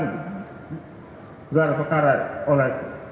gelar pekarat oleh